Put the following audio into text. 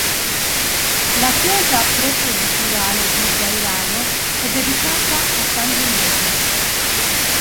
La chiesa prepositurale di Dairago è dedicata a san Genesio.